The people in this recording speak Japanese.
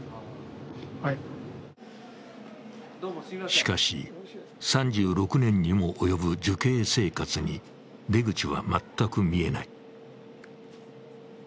しかし、３６年にも及ぶ受刑生活に出口は全く見えない。